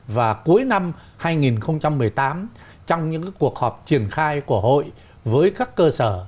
và cuối năm hai nghìn một mươi tám trong những cuộc họp triển khai của hội với các cơ sở